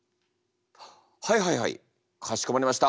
はいはいはいかしこまりました。